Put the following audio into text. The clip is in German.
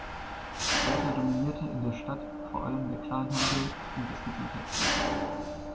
Später dominierte in der Stadt vor allem der Kleinhandel und das Gesundheitswesen.